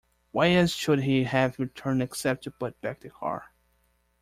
Why else should he have returned except to put back the car?